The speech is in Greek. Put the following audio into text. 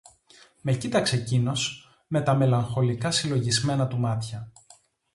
Με κοίταξε κείνος με τα μελαγχολικά συλλογισμένα του μάτια.